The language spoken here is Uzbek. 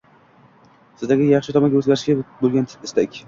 Sizdagi yaxshi tomonga o’zgarishga bo’lgan istak!